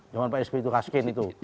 yang orang pak sp itu raskin itu